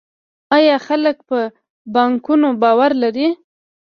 آیا خلک په بانکونو باور لري؟